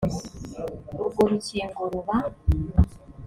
urwo rukingo ruba